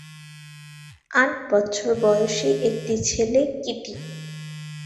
আট বছর বয়সী একটি ছেলে কিটি।